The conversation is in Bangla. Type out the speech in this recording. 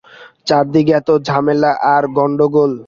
চারিদিকে এত ঝামেলা আর গন্ডগোল!